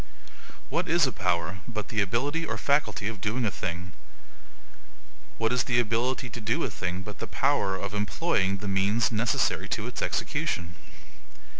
What is a power, but the ability or faculty of doing a thing? What is the ability to do a thing, but the power of employing the MEANS necessary to its execution?